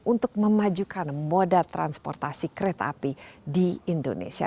untuk memajukan moda transportasi kereta api di indonesia